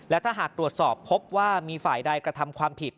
และถ้าหากตรวจสอบพบว่ามีฝ่ายใดกระทำความผิด